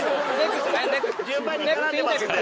順番に絡んでますんで。